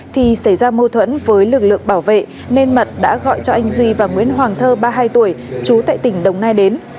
thì xảy ra mâu thuẫn với lực lượng bảo vệ nên mật đã gọi cho anh duy và nguyễn hoàng thơ ba mươi hai tuổi trú tại tỉnh đồng nai đến